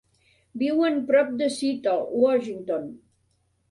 Viuen prop de Seattle, Washington.